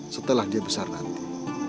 setelah dia besar nanti